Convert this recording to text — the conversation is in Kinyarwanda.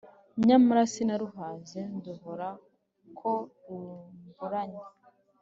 Nyamara sinaruhaze nduhora ko rumburanya;